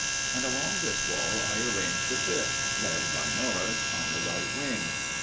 And along this wall I arranged the Fifth, led by Norris, on the right wing.